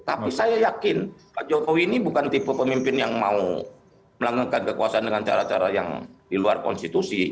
tapi saya yakin pak jokowi ini bukan tipe pemimpin yang mau melanggengkan kekuasaan dengan cara cara yang di luar konstitusi